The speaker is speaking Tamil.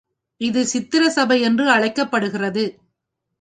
இது சித்திர சபை என்று அழைக்கப்படுகிறது.